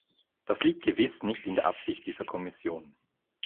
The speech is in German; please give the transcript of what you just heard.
Das liegt gewiss nicht in der Absicht dieser Kommission.